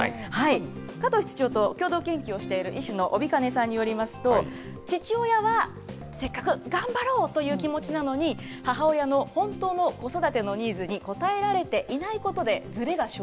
加藤室長と共同研究をしている医師の帯包さんによりますと、父親はせっかく頑張ろうという気持ちなのに、母親の本当の子育てのニーズに応えられていないことずれ。